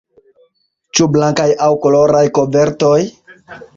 Ĉu blankaj aŭ koloraj kovertoj?